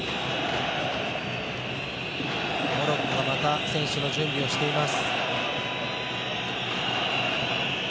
モロッコはまた選手の準備をしています。